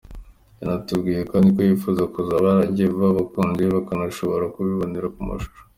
Yanatubwiye kandi ko yifuza ko zaba zarangiye vuba abakunzi be bakazashobora kuzibonera ku mashusho.